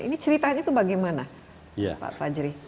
ini ceritanya itu bagaimana pak fajri